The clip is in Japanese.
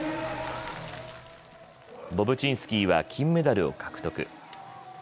ボブチンスキーは金メダルを獲得。